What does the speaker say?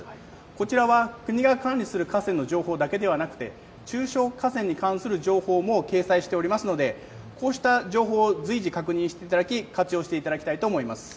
こちらは国が管理する河川の情報だけではなくて中小河川に関する情報も掲載しておりますので、こうした情報を随時、確認していただき、活用していただきたいと思います。